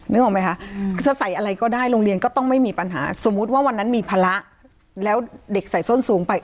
นึกออกไหมคะจะใส่อะไรก็ได้โรงเรียนก็ต้องไม่มีปัญหาสมมุติว่าวันนั้นมีภาระแล้วเด็กใส่ส้นสูงไป